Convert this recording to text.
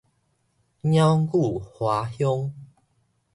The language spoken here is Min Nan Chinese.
鳥語花香